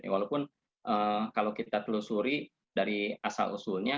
walaupun kalau kita telusuri dari asal usulnya